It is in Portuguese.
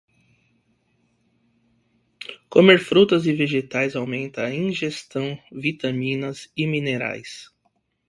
Comer frutas e vegetais aumenta a ingestão de vitaminas e minerais.